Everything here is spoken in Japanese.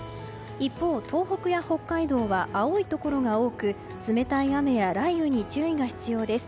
一方、東北や北海道は青いところが多く冷たい雨や雷雨に注意が必要です。